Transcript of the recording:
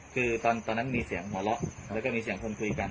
คือตอนนั้นมีเสียงโหล่และมีเสียงคนคุยกัน